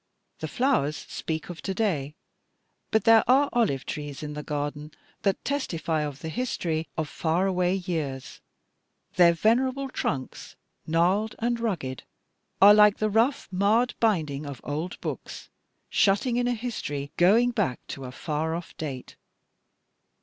The flowers speak of to day, but there are olive trees in the garden that testify of the history of far away years. Their venerable trunks, gnarled and rugged, are like the rough, marred binding of old books, shutting in a history going back to a far off date.